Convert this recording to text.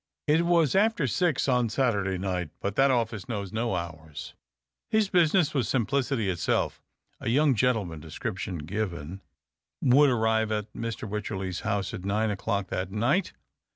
It was after six on Saturday night, but that office knows no hours. His business was simplicity itself. A young gentleman (description given) would arrive at Mr. Wycherley's house at nine o'clock that night.